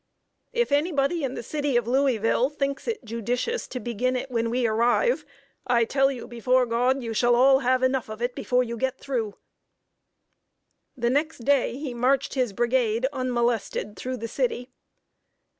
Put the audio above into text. If anybody in the city of Louisville thinks it judicious to begin it when we arrive, I tell you, before God, you shall all have enough of it before you get through!" The next day he marched his brigade unmolested through the city.